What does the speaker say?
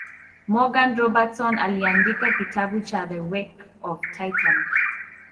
Morgan Robertson aliandika kitabu cha The Wreck Of Titan